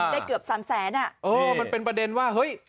เกือบสามแสนอ่ะเออมันเป็นประเด็นว่าเฮ้ย